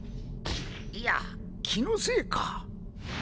いや気のせいか。